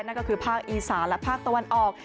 นั่นก็คือภาคอีสานและภาคตะวันออก